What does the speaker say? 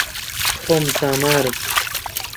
خۆم زامارم